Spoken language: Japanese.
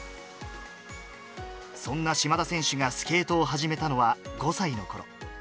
そんな島田選手がスケートを始めたのは、５歳のころ。